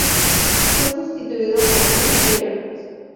Fue sustituido por Jim Miller.